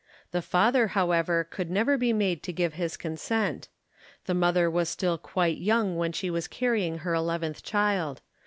The father, however, could never be made to give his consent. The mother was still quite young when she was carrying her eleventh child.